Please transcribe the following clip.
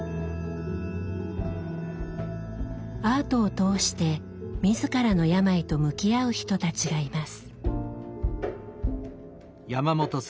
アートを通して自らの病と向き合う人たちがいます。